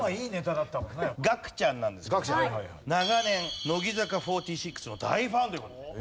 ガクちゃんなんですけれども長年乃木坂４６の大ファンという事で。